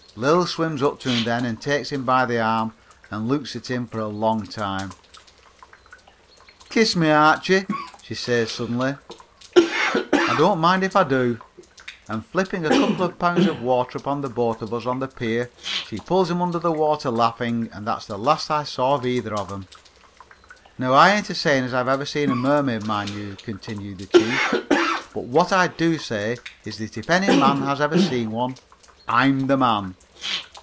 "Lil swims up to him then and takes him by the arm and looks at him for a long time. "'Kiss me, Archie,' she says suddenly, 'I don't mind if I do,' and flipping a couple of pounds of water upon the both of us on the pier, she pulls him under the water laughing and that's the last I saw of either of them. Now I ain't asaying as I have ever seen a mermaid mind you," continued the chief, "but what I do say is that if any man has ever seen one I'm the man."